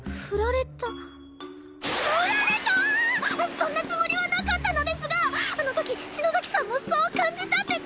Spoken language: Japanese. そんなつもりはなかったのですがあの時篠崎さんもそう感じたって事ですか！？